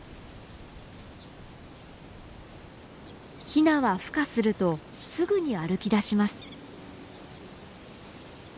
ヒナはふ化するとすぐに歩きだします。